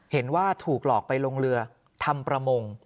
เห็นว่าถูกหลอกไปลงเรือทำประมง